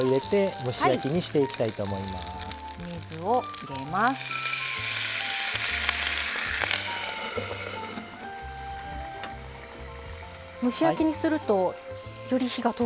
蒸し焼きにするとより火が通るんですか？